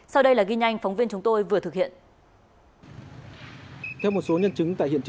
sau đây là ghi nhanh phóng viên chúng tôi vừa thực hiện